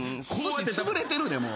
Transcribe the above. すしつぶれてるでもう。